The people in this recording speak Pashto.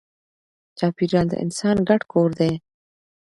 چاپېریال د انسان ګډ کور دی.